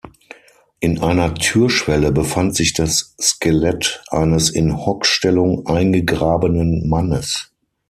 In einer Türschwelle befand sich das Skelett eines in Hockstellung eingegrabenen Mannes.